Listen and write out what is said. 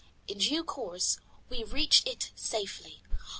In due course we reached it safely.